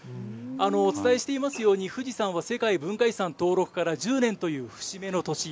お伝えしていますように、富士山は世界文化遺産登録から１０年という節目の年。